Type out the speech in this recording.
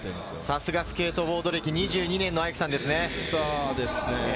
さすがスケートボード歴２２年のアイクさんですね。